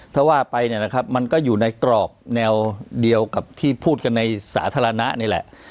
ถ้าว่าไปเนี่ยนะครับมันก็อยู่ในตรอกแนวเดียวกับที่พูดกันในสาธารณะนี่แหละ